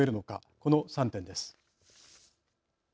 この３点です。